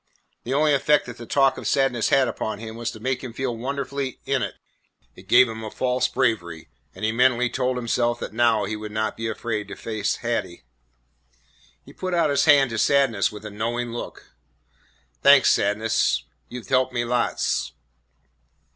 The only effect that the talk of Sadness had upon him was to make him feel wonderfully "in it." It gave him a false bravery, and he mentally told himself that now he would not be afraid to face Hattie. He put out his hand to Sadness with a knowing look. "Thanks, Sadness," he said, "you 've helped me lots."